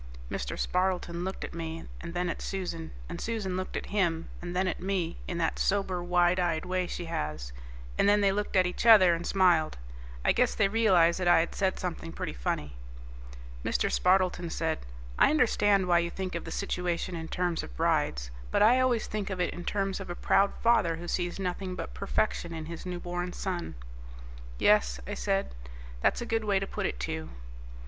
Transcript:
Mr. Spardleton looked at me and then at Susan, and Susan looked at him and then at me in that sober wide eyed way she has, and then they looked at each other and smiled. I guess they realized that I had said something pretty funny. Mr. Spardleton said, "I understand why you think of the situation in terms of brides, but I always think of it in terms of a proud father who sees nothing but perfection in his newborn son." "Yes," I said, "that's a good way to put it, too."